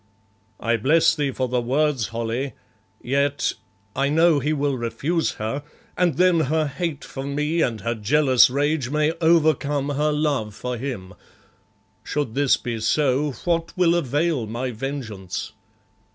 "I bless thee for the words, Holly, yet I know he will refuse her, and then her hate for me and her jealous rage may overcome her love for him. Should this be so, what will avail my vengeance?